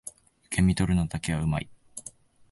受け身取るのだけは上手い